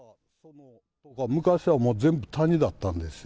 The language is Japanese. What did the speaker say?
昔はもう全部、谷だったんですよ。